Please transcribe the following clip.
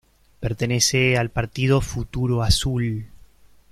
Pertenece al partido Futuro Azul.